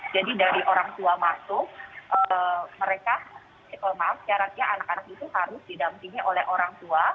jadi dari orang tua masuk mereka maaf syaratnya anak anak itu harus didampingi oleh orang tua